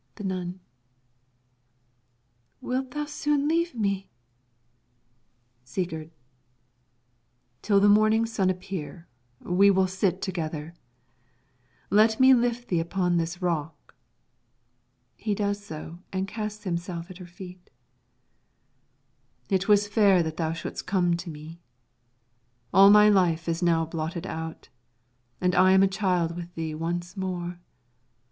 The Nun Wilt thou soon leave me? Sigurd Till the morning sun appear we will sit together. Let me lift thee upon this rock. [He does so, and casts himself at her feet.] It was fair that thou shouldst come to me. All my life is now blotted out, and I am a child with thee once more.